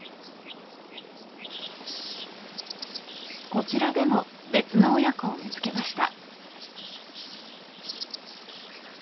こちらでも別の親子を見つけました。